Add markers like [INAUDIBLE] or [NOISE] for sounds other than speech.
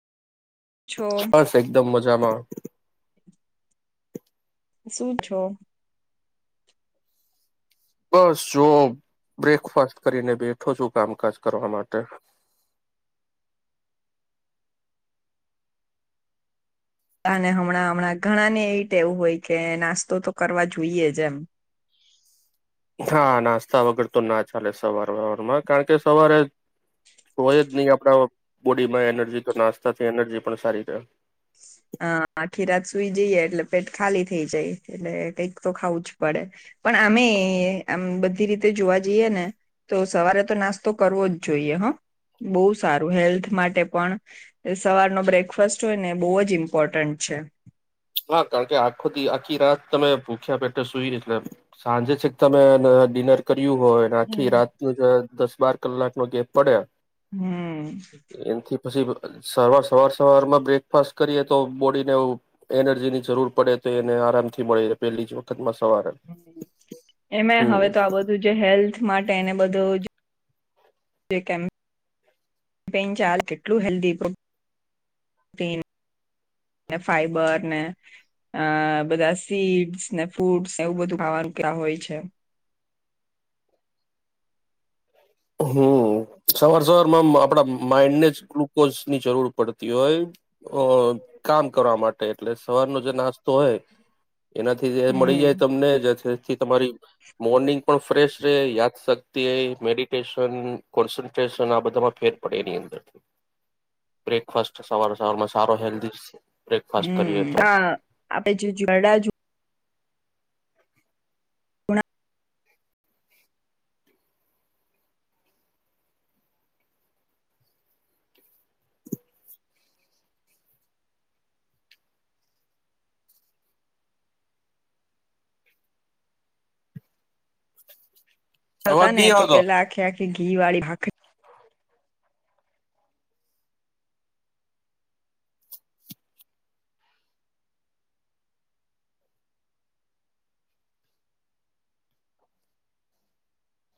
છો બસ એકદમ મજ જામાં. શું છો બસ જો બ્રેકફાસ્ટ કરીને બેઠો છું, કામકાજ કરવા માટે. હમણાં હમણાં ઘણા ને એ ટેવું હોય કે નાસ્તો તો કરવા જોઈએ જ એમ. હા નાસ્તા વગર તો ના ચાલે સવારરમાં કારણ કે સવારે, હોય જ નહી આપણા બોડીમાં એનર્જી નાસ્તાથી એનર્જી પણ સારી છે. અ આખી રાત સુઈ જઈએ એટલે પેટ ખાલી થઇ જાય, એટલે કંઈક તો ખાવું જ પડે, પણ આમે આમ બધી રીતે જોવા જઈએ ને, તો સવારે તો નાસ્તો કરવો જ જોઈએ, હ બહુ સારું હેલ્થ માટે પણ સવારનો બ્રેકફાસ્ટ હોય ને બહુ જ ઇમ્પ ઇમ્પોર્ટન્ટ છે. હા કારણ કે આખો આખી રાત તમે ભૂખ્યા પેટે સુઈ એટલે સાંજે છેક તમે ડિનર કર્યું હોય આખી રાત ન દ બાર કલાક નો ગેપ પડે. હમ. એમથી પછી સવાર સવાર સવારમાં બ્રેકફાસ્ટ કરીએ તો બોડીને એ એનર્જી ની જરૂર પડે તો એને આરામ થી મળે છે પેલી જ વખત માં એમે હવે તો આ બધું જે હેલ્થ માટે એને બધું જે કેમ પેન ચાલ કેટલું હેલ્ધી ફાઈબર ને અ બધા સીડ્સ ને, ફૂટ્સને એવું બધું ખાવાનું હોય છે. હમ્મ, સવાર સવારમાં મ આપડા માઈન્ડ ને જ ગ્લુકોઝની જરૂર પડતી હોય, અ કામ કરવા માટે એટલે સવારનો જે નાસ્તો હોય એનાથી જે મળી હમ જાય તમને જે થે થી તમારી મોર્નિંગ પણ ફ્રેશ રે, યાદશક્તિ મેડિ ટેશન, કોન્સનટ્રેશન આ બધામાં ફેર પડે એની અંદર, બ્રેકફાસ્ટ સવાર સવારમાં સારો હેલ્ધી બ્રેકફાસ્ટ કરીએ હમ્મ, તો હા આપે જુ જોરડાજુ [UNINTELLIGIBLE] અવાજ આવતા ને નહીં તો આવતો પેલા આખે આખ ઘી વાળી ભાખરી